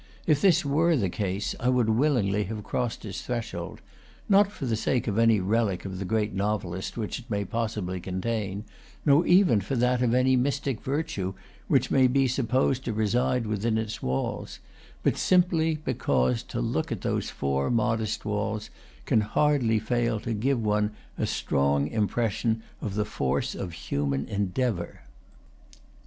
If this were the case, I would willingly have crossed its threshold; not for the sake of any relic of the great novelist which it may possibly contain, nor even for that of any mystic virtue which may be supposed to reside within its walls, but simply because to look at those four modest walls can hardly fail to give one a strong impression of the force of human endeavour.